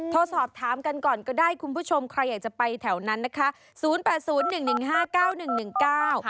โทรสอบถามกันก่อนก็ได้คุณผู้ชมใครอยากจะไปแถวนั้นนะคะ